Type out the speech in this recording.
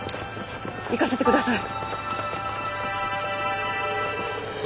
行かせてください。